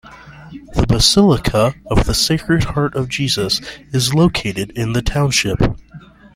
The Basilica of the Sacred Heart of Jesus is located in the township.